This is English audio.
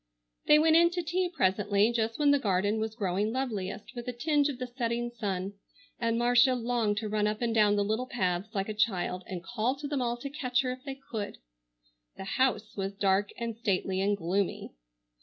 They went in to tea presently, just when the garden was growing loveliest with a tinge of the setting sun, and Marcia longed to run up and down the little paths like a child and call to them all to catch her if they could. The house was dark and stately and gloomy.